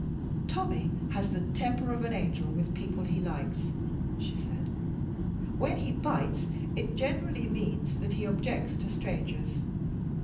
"Tommie has the temper of an angel with the people he likes," she said. "When he bites, it generally means that he objects to strangers.